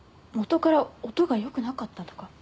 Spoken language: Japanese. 元から音が良くなかったとか？